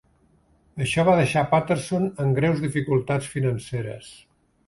Això va deixar Patterson en greus dificultats financeres.